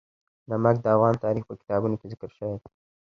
نمک د افغان تاریخ په کتابونو کې ذکر شوی دي.